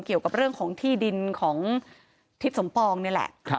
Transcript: เกี่ยวกับเรื่องของที่ดินของทิศสมปองนี่แหละ